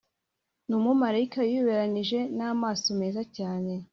Numumarayika wiyoberanije namaso meza cyane